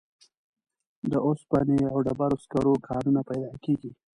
د اوسپنې او ډبرو سکرو کانونه پیدا کیږي.